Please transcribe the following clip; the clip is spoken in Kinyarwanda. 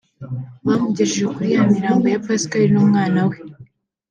bamugejeje kuri ya mirambo ya Pascal n’umwana